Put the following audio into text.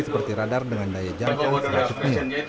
seperti radar dengan daya jangkau seratus meter